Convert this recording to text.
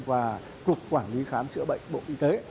và cục quản lý khám chữa bệnh bộ y tế